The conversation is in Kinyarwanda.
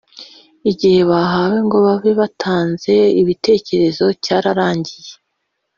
igihe bahawe ngo babe batanze ibitekerezo cyararangiye.